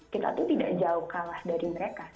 kita tuh tidak jauh kalah dari mereka